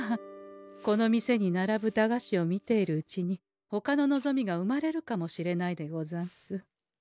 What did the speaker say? この店に並ぶ駄菓子を見ているうちにほかの望みが生まれるかもしれないでござんす。